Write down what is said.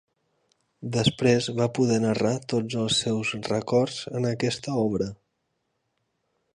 Després va poder narrar tots els seus records en aquesta obra.